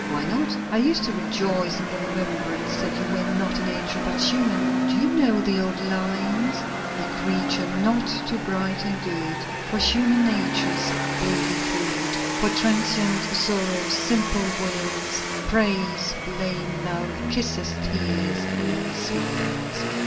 "Why not? I used to rejoice in the remembrance that you were not an angel but human. Do you know the old lines? 'A creature not too bright and good For human nature's daily food; For transient sorrows, simple wiles, Praise, blame, love, kisses, tears and smiles.'